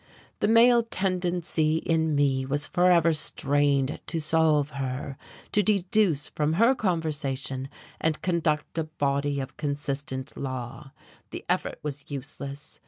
The male tendency in me was forever strained to solve her, to deduce from her conversation and conduct a body of consistent law. The effort was useless.